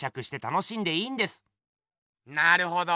なるほど。